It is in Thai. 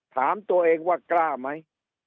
ถามตัวเองว่ากล้าไหม